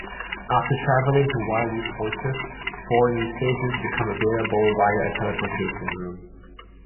After traveling to Wily's fortress, four new stages become available via a teleportation room.